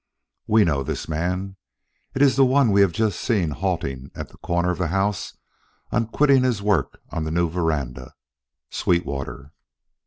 We know this man. It is the one we have just seen halting at the corner of the house, on quitting his work on the new veranda Sweetwater.